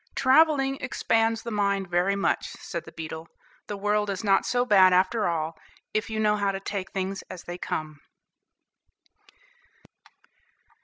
"Travelling expands the mind very much," said the beetle. "The world is not so bad after all, if you know how to take things as they come."